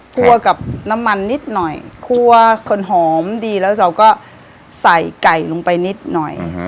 กลัวกับน้ำมันนิดหน่อยครัวคนหอมดีแล้วเราก็ใส่ไก่ลงไปนิดหน่อย